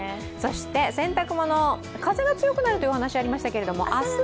洗濯物、風が強くなるというお話かありましたけれども、明日は？